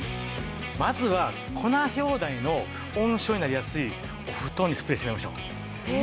まずはコナヒョウダニの温床になりやすいお布団にスプレーしてみましょう。